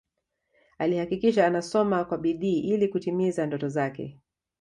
Alihakikisha anasoma kwa bidii ili kutimiza ndoto zake